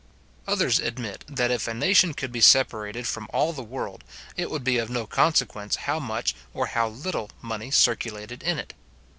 Others admit, that if a nation could be separated from all the world, it would be of no consequence how much or how little money circulated in it.